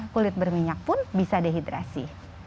kulit berminyak pun bisa dehidrasi